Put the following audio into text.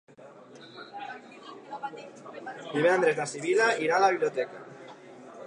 Divendres na Sibil·la irà a la biblioteca.